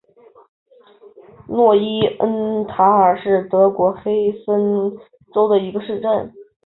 诺伊恩塔尔是德国黑森州的一个市镇。